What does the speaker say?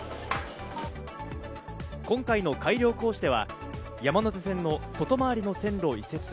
今回の改良工事では山手線の外回りの線路を移設。